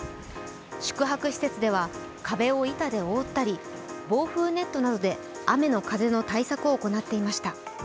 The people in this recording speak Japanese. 宿泊施設では壁を板で覆ったり、防風ネットなどで雨、風の対策を行っていました。